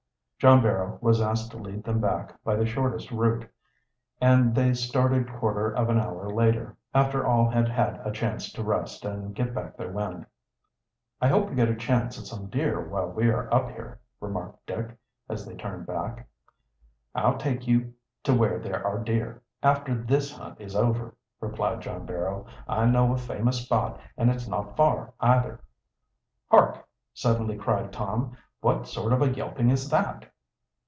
John Barrow was asked to lead them back by the shortest route, and they started quarter of an hour later, after all had had a chance to rest and get back their wind. "I hope we get a chance at some deer while we are up here," remarked Dick, as they turned back. "I'll take you to where there are deer, after this hunt is over," replied John Barrow. "I know a famous spot, and it's not far, either." "Hark!" suddenly cried Tom. "What sort of a yelping is that?"